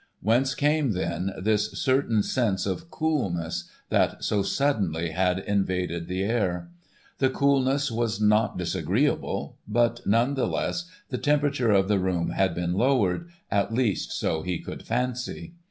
Whence came then this certain sense of coolness that so suddenly had invaded the air? The coolness was not disagreeable, but none the less the temperature of the room had been lowered, at least so he could fancy.